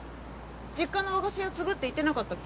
実家の和菓子屋継ぐって言ってなかったっけ？